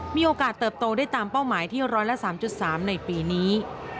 มีโอกาสเติบโตได้ตามเป้าหมายที่๑๐๓๓ในปีนี้